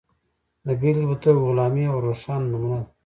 د بېلګې په توګه غلامي یوه روښانه نمونه ده.